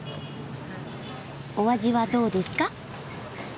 お味はどうですか？